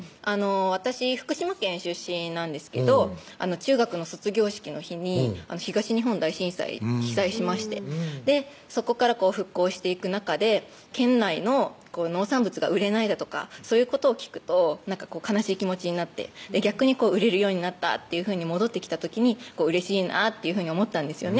私福島県出身なんですけど中学の卒業式の日に東日本大震災被災しましてそこから復興していく中で県内の農産物が売れないだとかそういうことを聞くと悲しい気持ちになって逆に売れるようになったっていうふうに戻ってきた時にうれしいなっていうふうに思ったんですよね